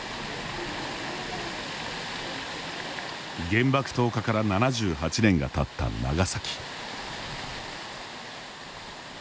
原爆投下から７８年がたった長崎。